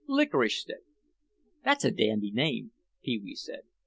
Licorice Stick—" "That's a dandy name," Pee wee said.